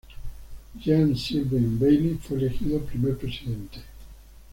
Jean Sylvain Bailly fue elegido primer presidente.